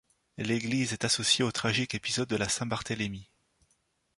L'église est associée au tragique épisode de la Saint-Barthélemy.